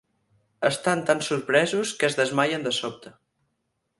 Estan tan sorpresos que es desmaien de sobte.